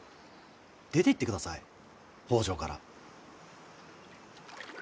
出ていってください北条から。